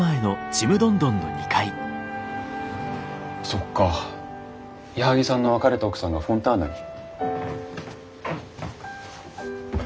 そっか矢作さんの別れた奥さんがフォンターナに。